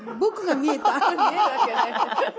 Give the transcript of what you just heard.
見えるわけない。